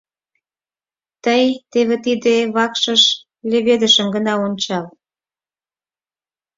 Тый теве тиде вакшыш леведышым гына ончал.